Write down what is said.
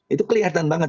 itu kelihatan banget